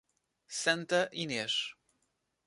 Santa Inês